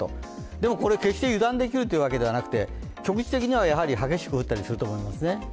でもこれ決して油断できるというわけではなくて局地的には激しく降ったりすると思いますね。